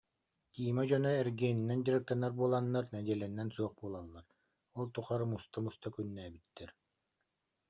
Тима дьоно эргиэнинэн дьарыктанар буоланнар нэдиэлэнэн суох буолаллар, ол тухары муста-муста күннээбиттэр